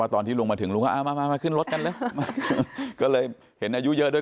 ตอนที่ลุงมาถึงลุงก็เอามามาขึ้นรถกันแล้วก็เลยเห็นอายุเยอะด้วย